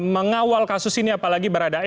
mengawal kasus ini apalagi baradae